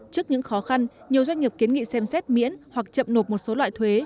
trước những khó khăn nhiều doanh nghiệp kiến nghị xem xét miễn hoặc chậm nộp một số loại thuế